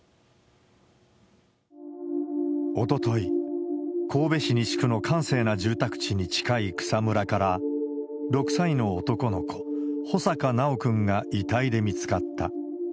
おととい、神戸市西区の閑静な住宅地に近い草むらから、６歳の男の子、穂坂修くんが遺体で見つかった。